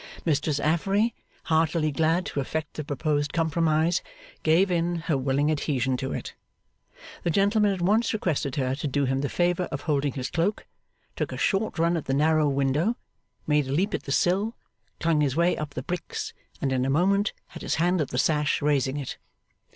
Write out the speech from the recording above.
Mistress Affery, heartily glad to effect the proposed compromise, gave in her willing adhesion to it. The gentleman at once requested her to do him the favour of holding his cloak, took a short run at the narrow window, made a leap at the sill, clung his way up the bricks, and in a moment had his hand at the sash, raising it.